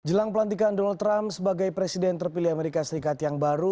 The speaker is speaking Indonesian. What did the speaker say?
jelang pelantikan donald trump sebagai presiden terpilih amerika serikat yang baru